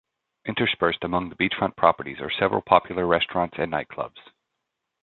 Interspersed among the beachfront properties are several popular restaurants and nightclubs.